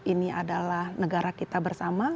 ini adalah negara kita bersama